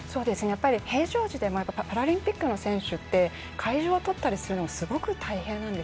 平常時でもパラリンピックの選手って会場を取ったりするのすごい、大変なんです。